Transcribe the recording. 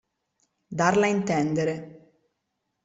Darla a intendere.